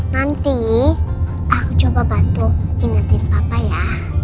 nanti aku coba bantu ingetin apa ya